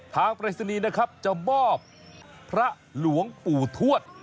ปริศนีย์นะครับจะมอบพระหลวงปู่ทวด